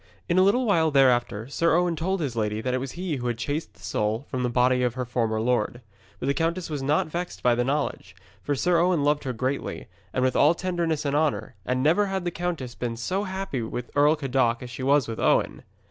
In a little while thereafter Sir Owen told his lady that it was he who had chased the soul from the body of her former lord. But the countess was not vexed by the knowledge, for Sir Owen loved her greatly, and with all tenderness and honour, and never had the countess been so happy with Earl Cadoc as she was with Owen.